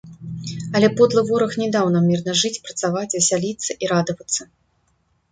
Але подлы вораг не даў нам мірна жыць, працаваць, весяліцца і радавацца.